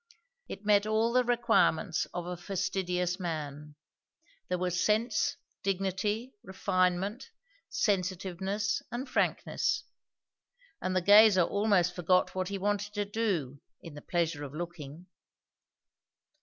It met all the requirements of a fastidious man. There was sense, dignity, refinement, sensitiveness, and frankness; and the gazer almost forgot what he wanted to do, in the pleasure of looking.